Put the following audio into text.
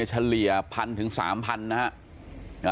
เฉลี่ยพันถึงสามพัน